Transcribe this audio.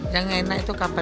yang enak itu kapasitas